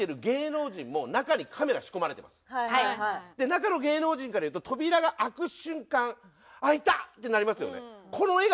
中の芸能人からいうと扉が開く瞬間開いた！ってなりますよね。